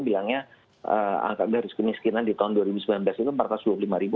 bilangnya angka garis kemiskinan di tahun dua ribu sembilan belas itu